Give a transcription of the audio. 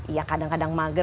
ya kadang kadang mager